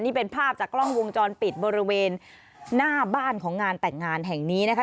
นี่เป็นภาพจากกล้องวงจรปิดบริเวณหน้าบ้านของงานแต่งงานแห่งนี้นะคะ